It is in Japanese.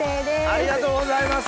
ありがとうございます。